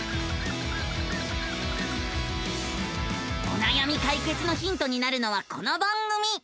おなやみ解決のヒントになるのはこの番組。